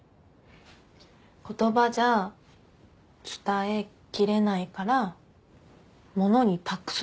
言葉じゃ伝えきれないから物に託すんだって。